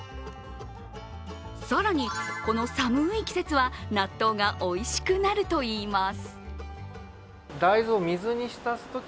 更に、この寒い季節は納豆がおいしくなるといいます。